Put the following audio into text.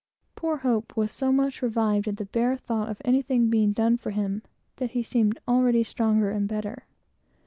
Poor Hope was so much revived at the bare thought of anything's being done for him, that he was already stronger and better.